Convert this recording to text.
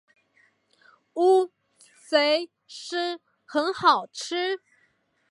乌贼丝很好吃